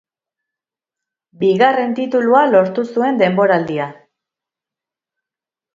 Bigarren titulua lortu zuen denboraldia.